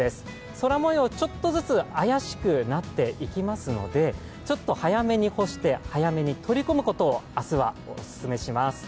空もよう、ちょっとずつ怪しくなっていきますので、早めに干して、早めに取り込むことをお勧めします。